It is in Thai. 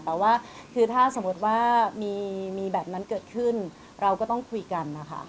แต่ว่าคือถ้าสมมติว่ามีแบบนั้นเกิดขึ้นเราก็ต้องคุยกันนะคะ